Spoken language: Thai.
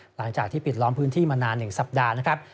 หลังจากที่ปิดล้อมพื้นที่มานาน๑สัปดาห์นะครับ